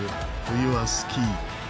冬はスキー。